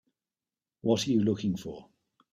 What are you looking for?